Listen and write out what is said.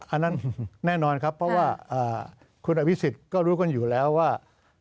อันนั้นแน่นอนครับเพราะว่าคุณอภิษฎก็รู้กันอยู่แล้วว่า